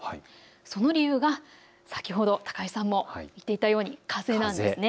その理由が先ほど高井さんも言っていたように風なんです。